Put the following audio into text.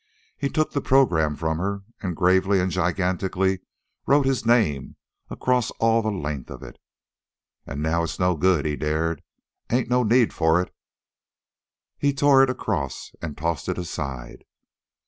He took the program from her and gravely and gigantically wrote his name across all the length of it. "An' now it's no good," he dared. "Ain't no need for it." He tore it across and tossed it aside.